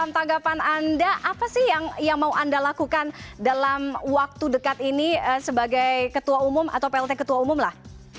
tanggapan anda apa sih yang mau anda lakukan dalam waktu dekat ini sebagai ketua umum atau plt ketua umum lah